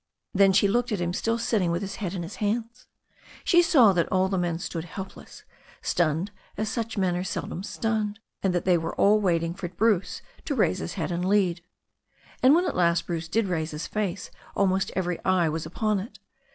Then she looked at him, still sitting with his head in his hands. She saw that all the men stood helpless, stunned as such men are seldom stunned, and that they were all waiting for Bruce to raise his face and lead. And when at last Bruce did raise his face almost every eye was upon it.